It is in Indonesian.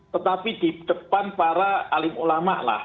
tetapi di depan para alim ulama lah